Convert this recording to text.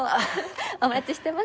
お待ちしてます。